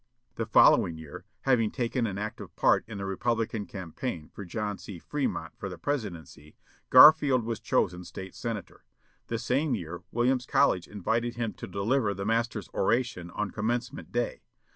The following year, having taken an active part in the Republican campaign for John C. Fremont for the presidency, Garfield was chosen State senator. The same year Williams College invited him to deliver the master's oration on Commencement day.